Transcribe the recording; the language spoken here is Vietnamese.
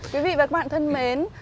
quý vị và các bạn thân mến